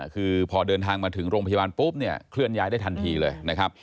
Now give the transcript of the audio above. คือพอเดินทางมาถึงโรงพยาบาลปุ๊บเคลื่อนย้ายได้ทันทีเลย